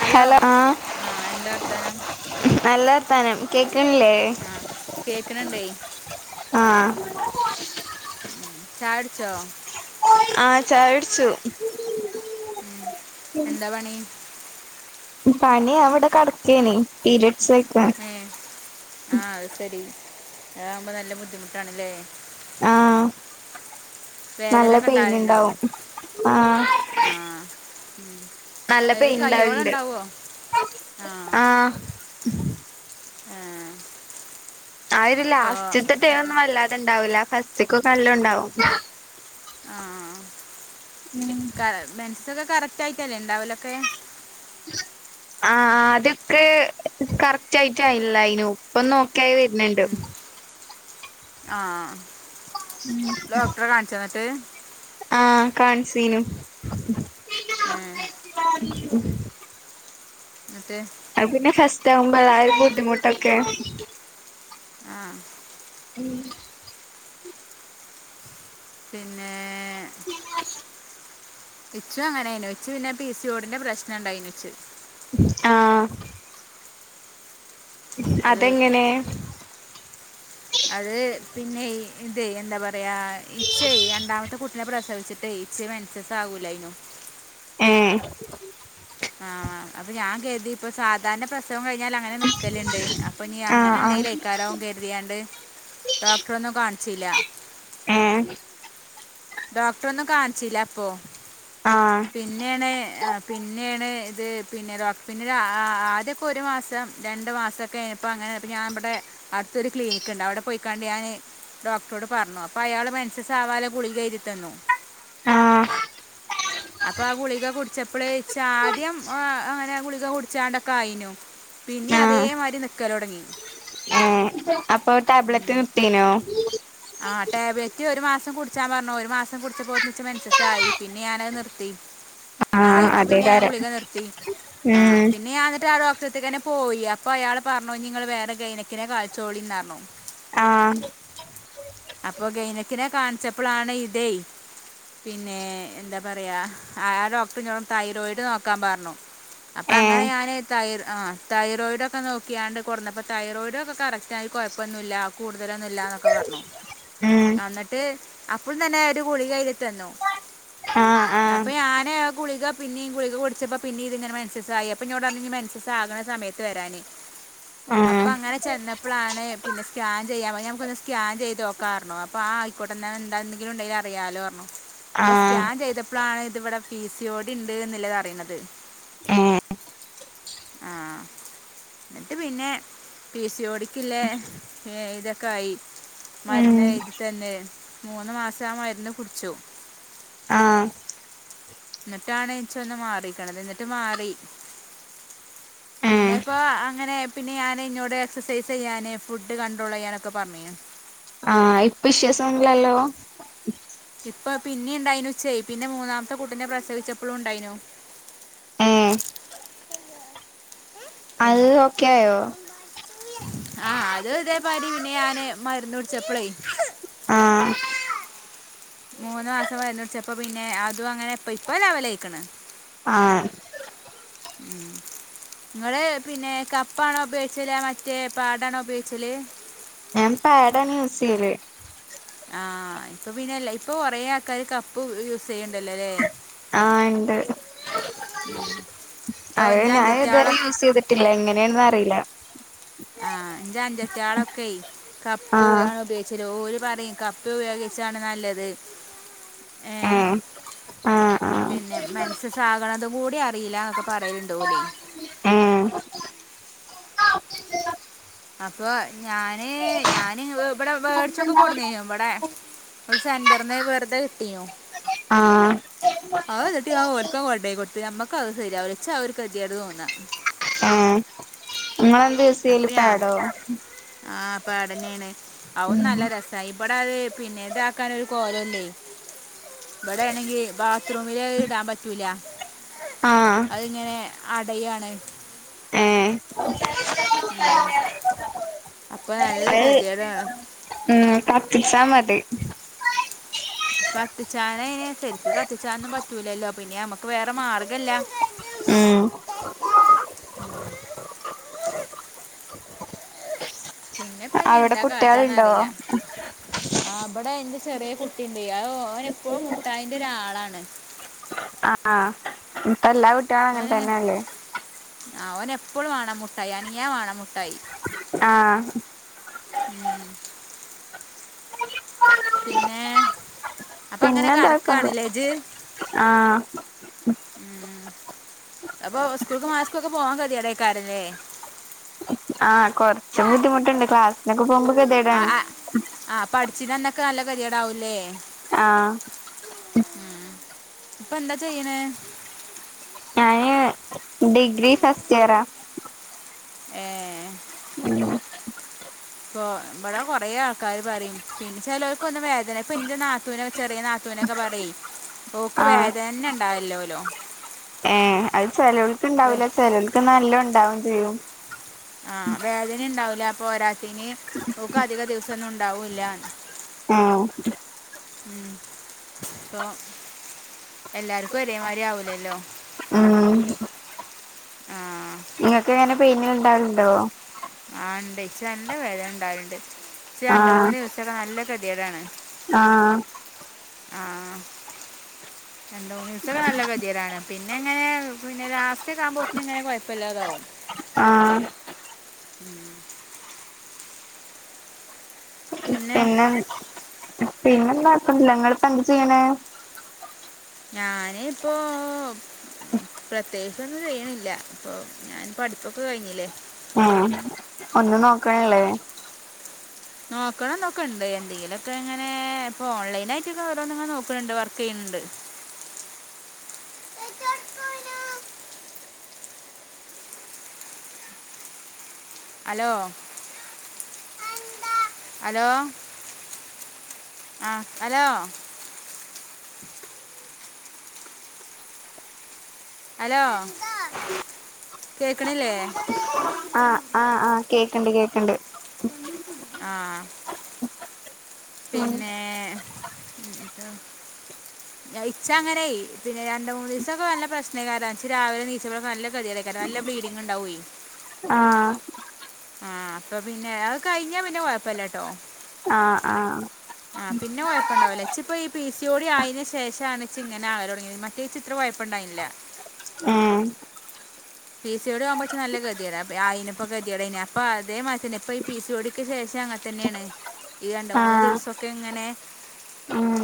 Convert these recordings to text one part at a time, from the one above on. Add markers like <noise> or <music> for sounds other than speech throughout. Hello ആഹ് എന്താ വർത്താനം നല്ല വർത്താനം കേൾക്ക്ണില്ലേ? ആഹ് കേൾക്ക്ണ്ണ്ടേ ആഹ് ചായ കുടിച്ചോ? ആഹ് ചായ കുടിച്ചു. എന്താ പണി പണി ഞാൻ ഇവടെ കിടക്കേനി പീരയഡ്സ് ആയിക്ക ഏഹ് ആഹ് അത് ശരി അതകുമ്പോൾ നല്ല ബുദ്ധിമുട്ടാണ് ല്ലേ ആഹ് നല്ല വേദന ഒക്കെ പെയിൻ ഉണ്ടാകലുണ്ടോ ഉണ്ടാവും ആഹ് ആ ഉം. നല്ല അത് പെയിൻനുണ്ടാവൽ കയ്യോളം ഉണ്ട് ഉണ്ടാവുമോ ആഹ് ആഹ് ആഹ് ഒരു ലാസ്റ്റത്തെ ഡേ ഒന്നും വല്ലാതെണ്ടാവൂല്ല ഫസ്റ്റകൊക്കെ നല്ലോംണ്ടാവും ആഹ് കാ മെൻസസൊക്കെ കറക്റ്റ് ആയിട്ടല്ലേ ഉണ്ടാവലൊക്കെ? ആഹ് ആദ്യോക്കെ കറക്റ്റ് ആയിട്ട് ആയില്ലയിനു ഇപ്പോന്ന് ഓക്കെയായി വരുന്നുണ്ട് ആഹ് ഡോക്ടറെ കാണിചോ എന്നിട്ട് ആഹ് കാണിചീനു ഏ, ഇന്നട്ട് അത് പിന്നെ ഫസ്റ്റ് ആകുമ്പോ അതായത് ബുദ്ധിമുട്ടൊക്കെ ആഹ് പിന്നെ ഇനിക്കും അങ്ങനെ ഏനു ഇച് പിന്നെ പി സി ഒ ഡി ന്റെ പ്രശ്നം ഉണ്ടായിനു ച്. ആഹ് അത് അതെങ്ങനെ അത് പിന്നെ ഇത് എന്താ പറയാ ഇചേ രണ്ടാമത്തെ കുട്ടിനെ പ്രസവിച്ചിട്ടെ ഇച്ച് മേ ചേത്താകുലെയ്നു ഏഹ് ആഹ് അപ്പൊ ഞാൻ കരുതി ഇപ്പോ സാധാരണ പ്രസ്‌ സവം കഴിഞ്ഞാൽ അങ്ങനെ നിക്കല്ണ്ട് അപ്പൊ നീ ആഹ് അങ്ങനെ എന്തേലും ആഹ് ആയിരിക്കും കര്തി ക്കിയാണ്ട് ഡോക്ടറേ ഒന്നും കാണിച്ചില്ല ഏഹ് ഡോക്ടർ ഒന്നും കാണിച്ചില്ല അപ്പൊ ആഹ് പിന്നെയാണ് പിന്നെയാണ് ഇത് പിന്നെ പിന്നെ ആ ആദ്യമൊക്കെ ഒരു മാസം രണ്ട് മാസക്കെ അപ്പൊ അങ്ങനെ അപ്പൊ ഞാൻ ഇവിടെ അടുത്തൊരു ക്ലിനിക്ക്ണ്ട് അവിടെ പോയിക്കാണ്ട് ഞാന് ഡോക്ടറോട് പറഞ്ഞു. അപ്പൊ അയാൾ മേൻസസ് ആവാനുള്ള ഗുളിക എഴ്തി തന്നു ആഹ് അപ്പൊ ആ ഗുളിക കുടിച്ചപ്പള് ഇച് ആദ്യം അങ്ങനെ ഗുളിക കുടിച്ചാണ്ടൊക്കെ ആയിനു. പിന്നീ ആഹ് അതേമാതിരി നിക്കൽ തുടങ്ങി അപ്പൊ ടാബ്ലറ്റ് നിർതിനോ ആഹ് ടാബലറ്റ് ഒരു മാസം കുടിച്ചാൻ പറഞ്ഞു ഒരു മാസം കുടിച്ചപ്പോതിന് ച്ച് മെൻസസ് ആയി പിന്നെ ഞാനത് നിർത്തി <unintelligible> ആഹ ഇപ്പ പിന്നെ ഞൻ അതേകാരം ഗുളിക നിർത്തി ആഹ ഉം പിന്നെ എന്നിട്ട് ആഹ ഡോ ക്ക്‌റ്ററെഡ്ത്ക്കെന്നെ പോയി അപ്പൊ അയാൾ പറഞ്ഞു ഇഞ് ങ്ങള് വേറെ ഗൈനക്കിനെ കാളിച്ചോളി എന് പറഞ്ഞു ആഹ് അപ്പൊ ഗൈനക്കിനെ കാൺച്ചപ്പളാണ് ളാണ് ഇതേയ് പിന്നെ എന്താ പറയാ ആ ഡോക്ടർ ഞ്ഞോട് തൈറോയിഡ് നോക്കാൻ പറഞ്ഞു അപ്പൊ അങ്ങനെ ഏഹ് ഞാന് ത ആ തൈറോയിഡും ഒക്കെ നോക്കിയാണ്ട് കൊറന്നപ്പൊ തൈറോയിഡും ഒക്കെ കറക് ക്റ്റ് കുഴപ്പൊന്നും ഇല്ല കൂടുതലൊന്നും ഇല്ലന്നൊക്കെ പറഞ്ഞു ഉം അന്നിട്ട് അപ്പോൾ തന്നെ ഒരു ഗുളിക എഴുതി തന്നു ആഹ് ആഹ് അപ്പൊ ഞൻ ഗുളിക പിന്നെയും ഗുളിക കുടിച്ചപ്പ പിന്നെ ഇങ്ങനെ മൻസസ്സായി അപ്പൊ ഇഞോട് പറഞ്ഞു ഇഞ് മന ആകണ സമയത്ത് വരാന് <unintelligible> ആഹ് അപ്പൊ അങ്ങനെ ചെന്നപ്പോളാണ് പിനെ സ്കാൻ ചെയ്യാ ഞമുക്ക് ഒന്ന് സ്കാൻ ചെയ്തോക്ക ർഞ് അപ്പൊ ആ ആയിക്കോട്ടെർഞ്ഞു എന്തെങ്കിലും ണ്ടെുങ്കി അറിയാലോ ർഞ്ഞ അപ്പൊ ആഹ് സ്കാൻ ചെയ്തപ്പൊ പ്പോളാണ് ഇത് വിടെ പിസിയോടി ഇണ്ട് എന്നുള്ളത് അറിയ്ന്നത് ആ <unintelligible> എന്നിട്ട് പിന്നെ പി സി ഓടിക്കില്ലേ ഇതൊക്കെ ആയി ഉം മരുന്ന് ഏയ്തി തന്ന് മൂന്ന് മാസം ആ മരുന്ന് കുടിച്ചു ആഹ് എന്നിട്ടാണ് ഇച് ഒന്ന് മാറിക്കണത് എന്നിട്ട് മാറി <unintelligible> പിന്നെ ഇപ്പോ അങ്ങനെ പിന്നെ ഞാന് ഇന്നോട് എക്സസൈസ് ചെയ്യാന് ഫുഡ് കണ്ട്രോൾ ചെയ്യാനൊക്കെ പറഞ്ഞു ആഹ ഇപ്പ ഇഷ്യൂസൊന്നും ഇല്ലല്ലോ ഇപ്പ പിന്നെ ഉണ്ടായിനു ച്ചേയ് പിന്നെ മൂന്നാമത്തെ കൂട്ടിനെ പ്രസവിച്ചപ്പോഴും ഉണ്ടായിനു മ് ആൾ ഓക്കെയൊ ആഹ് അത് ഇതേമ രി പിന്നെ ഞാന് മരുന്ന് കുടിച്ചപ്പളേ ആഹ് മൂന്ന് മാസം വരുന്നുടിച്ചപ്പോൾ പിന്നെ അതും അങ്ങനെ ഇപ്പ ഇപ്പൾ ലവൽ ആയിക്കണ് ആഹ് ങ്ങള് പിന്നെ കപ്പാണോ ഉപയോഗിച്ചല് മറ്റേ പാടാണോ ഉപയോഗിച്ചല് ഞാൻ പാടാണ് യൂസ് ചെയ്യല് ആഹ ഇപ്പൊ പിന്നെല്ല ഇപ്പൊ കൊറേ ആൾക്കാർ കപ് പ് യൂസ് ചെയ്യണ്ടല്ലോല്ലേ ആഹ് ഇണ്ട് അത് ഞാൻ അഞ്ചറ്റാളെ ഇതുവരെ യൂസ് ചെയ്തിട്ടില്ല എങ്ങനെയന് അറിയില്ല ആഹ എന്റെ അഞ്ചതികളൊക്കെ കപ്പ് ആഹ് ആണ് ഉപയ ശരി ഓര് പറയും കപ്പ ഉപയോഗിച്ചാണ് നല്ലത് ഏ ഉമ് പിന്നെ മനസ്സസാകണത കൂടി അറിയില്ല എന്നൊക്കെ പറയലുണ്ട് ഓല് ഉം അപ്പൊ ഞാന് ഞാന് ഇവിടെ വേടിച്ചൊക്കെ കൊടന്നഞ്ഞു ഇവിടെ ഒരു സെന്റർനെ വെറുതെ കിട്ടിയോ ആഹ് അത എന്നിട്ട് ഞാൻ ഓൽക്കാ കൊണ്ടോയി കൊടുത്ത് നമ്മക്കത് ശരിയാവൂല ച്ച് അത് ഒരു കെതിയെട് തോന്നാ ആഹ നിങ്ങളെന്ത് അപ്പ്യാ ആഹ് അപ്പഅടഞ്ഞീണ് അവും ഉം നല്ല രസ സൈപടാതെ പിന്നെത ആക്കാന ഒരു കോലംല്ലേ ഇവിടെയാണെങ്കിൽ ബാത്റൂമില് അത് ഇടാൻ പറ്റൂല ആഹ് അതിങ്ങനെ അടയാണ് ഏഹ് അപ്പൊ നല്ല അത് ഗതിയടാണ് ഉം കത്തിച്ചാമതി കത്തിച്ചാന് അയിന് ശരിക്ക് കത്തിച്ചാനൊന്നും പറ്റൂലല്ലോ പിന്നെ നമ്മക്ക് വേറെ മാർഗല്ല ഉം ഹ്ഹ പിന്നെപ്പം ഇനി അവിടെ എന്താ കാട്ടാന്ന് കുട്ട്യാള്ണ്ടോ അറീല ആ ഇവിടെ എന്റെ ചെറിയ കുട്ടിണ്ട് അ ഓൻ എപ്പോഴും മുഠായിന്റെ ഒരാളാണ് ആഹ് ആ ഇപ്പം എല്ലാ കുട്ടികളും അങ്ങനെ അവന് തന്നെയല്ലേ ആ ഓന് എപ്പോഴും വേണം മുട്ടായി അനങ്ങിയാ വേണം മുട്ടായി ആഹ് ഉം. ഹാ <unintelligible> പിന്നെ അപ്പൊ അങ്ങനെ പിന്നെന്താ കെടക്കാണ് കൊഴപ്പല്ല ലേ ജ് ആഹ് അപ്പൊ സ്കൂൾക്കും മദ്രസക്കും ഒക്കെ പോവാൻ കെതിയേടേക്കാരം ല്ലേ ആഹ് കൊർച്ച് ബുദ്ധിമുട്ട്ണ്ട് ക്ലാസിനൊക്കെ പോകുമ്പോ കെതിയേട്ണ്ട് ആ ആ പഠിച്ചിന്നന്നൊക്കെ നല്ല കെതിയേടാവൂല്ലേ ആഹ് ഉ ഇപ്പൊ എന്താ ചെയ്യണേ ഞാന് ഡിഗ്രി ഫസ്റ്റ് ഇയറാ ഏഹ് <inaudible> ഇപ്പൊ ഇവിടെ കൊറേ ആൾക്കാര് പറയും പിന്നെ ചിലർക്ക് ഒന്നും വേദന ഇപ്പൊ എന്റെ നാത്തൂനൊക്കെ ചെറിയ നാത്തൂന് ത്തു നൊക്കെ പറയും ഓക്ക് വേദന തന്നെ ഉണ്ടാവലില്ലലൊ ഏ അത് ചെലോൽക്ക് വേ ഉണ്ടാവൂല ചെലോൽക്ക് നല്ലം ഉണ്ടാവും ചെയ്യും ആഹ വേദനിം ഉണ്ടാവൂല പോരാ തത്തിന് ഓൾക് അധിക ദിവസൊ ന്നും ഉണ്ടാവൂല്ല ആഹ് അപ്പൊ എല്ലാർക്കും ഒരേമാതിരി ആവൂലല്ലോ ഉം ആ നിങ്ങൾക്ക് എങ്ങനെ പെയിൻ ഉണ്ടാവലുണ്ടോ ആഹ ഉണ്ട് ഇച്ച് നല്ല വേദന ഇണ്ടാവലുണ്ട് ഇച് രണ്ട് ആഹ് മൂന്ന് ദിവസൊക്കെ നല്ല കതിയേടാണ് ആഹ് ആഹ രണ്ട് മൂന്ന് ദിവസം നല്ല കെതിയേടാണ് പിന്നെ ങ്ങനെ പിന്നെ ലാസ്റ്റോക്കെ ആകുമ്പോത്തിന് ഇങ്ങനെ കുഴപ്പമില്ലാതാവും ആഹ <inaudible> പിന്നെ പിന്നെ പിന്നെപ്പില്ല <unintelligible> നിങ്ങളിപ്പം എന്താ ചെയ്യ്ണേ ഞാന് ഇപ്പൊ പ്രത്യേകിച്ചൊന്നും ചെയ്യണില്ല ഇപ്പൊ ഞാൻ പഠിപ്പൊക്കെ കഴിഞ്ഞില്ലേ ആഹ് ഒന്നും നോക്കണല്ലേ നോക്കണം നോക്കണ്ട് എന്തെങ്കിലുമൊക്കെ ഇങ്ങനെ ഇപ്പൊ ഓൺലൈൻ ആയിട്ടൊക്കെ ഓരോെ നോക്കണണ്ട് വർക്ക് ചെയ്യണണ്ട് ഹലോ ഹലോ ആഹ് ഹലോ ഹലോ കേക്കണില്ലേ ആഹ് ആഹ് ആഹ് കേക്കണ്ട് കേക്കണ്ട് ആഹ് ഉ പിന്നെ ഉം, ഇപ്പൊ <inaudible> ഇച്ച അങ്ങനായി പിന്നെ രണ്ട മൂന്ന് ദിവസൊക്കെ നല്ല പ്രശ്ന കാരാച്ച് രാവിലെ നീച്ചെ നല്ല കതിയെട നല്ല ബ്ലീഡിങ് ഉണ്ടാവേയ് ആഹ് ആഹ് അപ്പൊ പിന്നെ അത് കയിഞ്ഞാ പിന്നെ കുയപ്പില്ലാട്ടോ ആഹ് ആഹ് ആഹ് പിന്നെ കൊയപ്പണ്ടാവുല്ല ഇച്ച് പ്പ ഈ പി സി ഓടി ആയതിന ശേഷാണിച്ചി ഇങ്ങനെ ആകാ തുടങ്ങിയത് മറ്റേചിത്ര കൊയപ്പുണ്ടായിന്നില്ല ഏഹ് പി സിയോട് ആകുമ്പച്ച് നല്ല ഗതിയാണ് <unintelligible> ഇപ്പൊ ഗതികടെന്നെ അപ്പൊ അതേ മാരിത്തന്നെ ഇപ്പ ഈ പി സി ഓടിക്ക് ശേഷം അങ്ങന തന്നെയാണ് ഈ രണ്ട മൂന്ന് ദിവസൊക്കെ ഇങ്ങനെ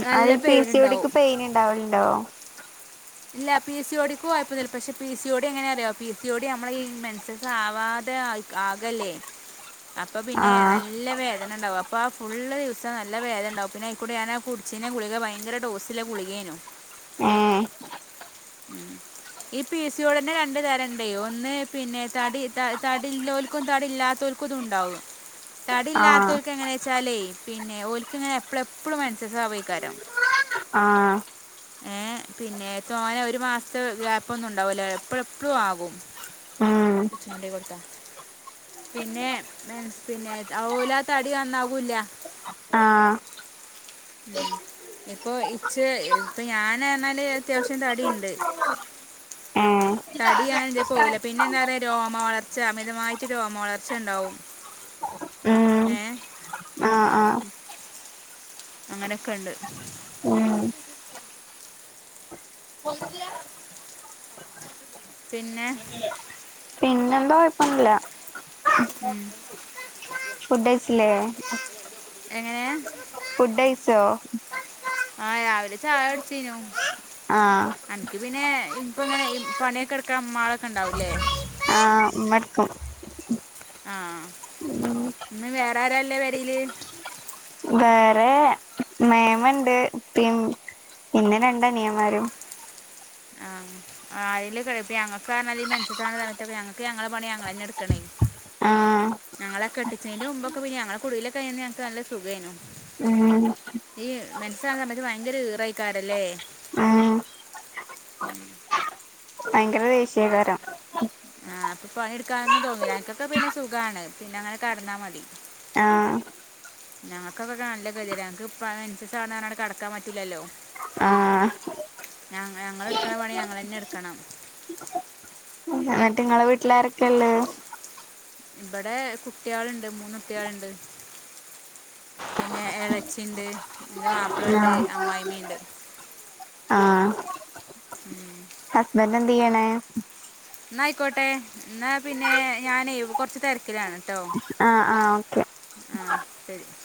നല്ല അയിന് പി പെയിൻ സി ഓടിക്ക് ഉണ്ടാവും പെയിൻ ഉണ്ടാവലുണ്ടോ ഇല്ല പി സി ഓ ടിക്കും കൊയ്പൊന്നില്ല പക്ഷെ പി സി ഓ ഡി എങ്ങനെ അറിയോ പി സി ഓ ഡി നമ്മള് ഈ മെൻസസ് ആവാതെ ആകല്ലേ ഉ അപ്പൊ പിന്നെ നല്ല വേദനണ്ടാവും അപ്പോൾ ആ ഫുള്ള് ദിവസം നല്ല വേദനണ്ടാകും പിന്നെ അതൂടെ ഞാൻ കുടിച്ചീന്ന ഗുളിക ഭയങ്കര ഡോസിലെ ഗുളികേനു ഏഹ് <inaudible> ഈ പി സി ഓ ടിതന്നെ രണ്ട് തരം ഉണ്ട് ഒന്ന് പിന്നെ തടി തടി ഇല്ലോൽക്കും തടി ഇല്ലാത്തവക്കും പക്കതുണ്ടാവും <inaudible> ആഹ് തടില്ലാത്തവക്ക് എങ്ങനാ വെച്ചാലെ പിന്നെ ഓര്ക്ക് ഇങ്ങനെ എപ്പളും എപ്പളും മെൻസസ്സ് ആവയ്ക്കാരം ആഹ് ഏഹ് പിന്നെ തോനെ അങ്ങനെ ഒരു മാസത്തെ ഗ്യാപ്പ് ഒന്നും ഉണ്ടാവൂല്ല എപ്പഴും എപ്പഴും ആകും ഉം <unintelligible> കൊടുത്ത പിന്നെ പിന്നെ ഓല തടി നന്നാവൂല്ല ആഹ് ഉ ഇപ്പൊ ഇച്ച് ഇപ്പൊ ഞനാണേല് അത്യാവശ്യം തടിണ്ട് ഉം തടിയാണ് എന്റെ പോവില പിന്നെ എന്താ പറയാ രോമ വളർച്ച അമിതമായി രോമ വളർച്ചണ്ടാവും ഏഹ് ആഹ് ആഹ് അങ്ങനെക്കെണ്ട് ഉം <unintelligible> പിന്നെ പിന്നെന്താ കൊഴപ്പൊന്നില്ല ഉം ഫുഡ് കഴിച്ചില്ലേ എങ്ങനെ ഫുഡ് കഴിച്ചോ ആ രാവിലെ ചായ കുടിച്ചീനു ആഹ് അനക്ക് പിന്നെ ഇപ്പ ഇങ്ങനെ പണിയൊക്കെ എടുക്കാൻ ഉമ്മാളൊക്കെ ഉണ്ടാവൂല്ലേ ആഹ് ഉമ്മ എടുക്കും ആഹ് ഇന്ന് വേറാരാ ഉള്ളെ പെരേല് വേറെ മേമണ്ട് ഉപ്പിയും പിന്നെ രണ്ട് അനിയന്മാരും ആഹ് ആരേലൊക്കെ എട് ഇപ്പം ഞങ്ങക്ക് കാരണം ഈ മെൻസസാവുന്ന സമയത്തൊക്കെ ഞങ്ങക്ക് ഞങ്ങളെ പണി ഞങ്ങൾ തന്നെ എടുക്കണേ ആഹ് ഞങ്ങളെ കെട്ടിച്ചതിന്റെ മുമ്പൊക്കെ പിന്നെ ഞങ്ങളെ കുടീലൊക്കെ പിന്നെ ഞങ്ങക്ക് നല്ല സുഖേയ്‌നു ഉം ഈ മെൻസസാവുന്ന സമയത്ത് ഭയങ്കര ഇറയികാരം ല്ലേ ഉം നല്ല ദേഷ്യാകാരം ആഹ് അപ്പൊ പണി എടുക്കാനൊന്നും തോന്നൂല്ല അനിക്കൊക്കെ പിന്നെ സുഖാണ് പിന്നെ അങ്ങനെ കെടന്നാ മതി ആഹ് ഞങ്ങക്കൊക്ക നല്ല <unintelligible> ഞങ്ങക്ക് ഇപ്പ മെൻസസ് ആണ് പറഞ്ഞാണ്ട് കെടക്കാൻ പറ്റൂല്ലല്ലോ ആഹ് ഞ ഞങ്ങളെടുക്കണ പണി ഞങ്ങളന്നെ എടുക്കണം ന്നിട്ട് നിങ്ങളെ വീട്ടിലാരൊക്കെയള്ളേ ഇബടെ കുട്ടികളുണ്ട് മൂന്നുട്ടികളുണ്ട് പിന്നെ ഇളേച്ചിണ്ട് എൻ്റെ മാപ്പിളേണ്ട് അമ്മായിമ്മേണ്ട് ആഹ് ഹസ്ബൻഡെന്ത് ചെയ്യണ് എന്നായിക്കോട്ടെ എന്നാ പിന്നെ ഞാനേ കൊറച്ച് തെരക്കിലാണ് ആഹ് ആഹ് ഓക്കെ ആഹ് ശരി